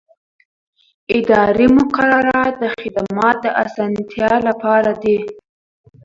اداري مقررات د خدمت د اسانتیا لپاره دي.